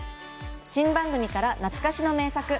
新番組から懐かしの名作。